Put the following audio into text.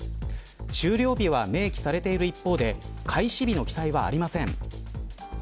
終了日は明記されている一方で開始日の記載はありません。